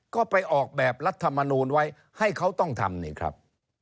ก็ไปออกแบบรัฐมนูลไว้ให้เขาต้องทำนี่ครับ